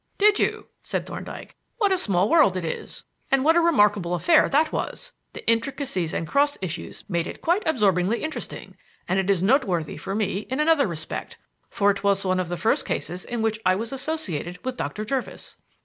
"Did you?" said Thorndyke. "What a small world it is. And what a remarkable affair that was! The intricacies and cross issues made it quite absorbingly interesting; and it is noteworthy for me in another respect, for it was one of the first cases in which I was associated with Doctor Jervis."